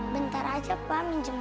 bentar aja pak minjemnya